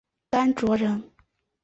甘卓人。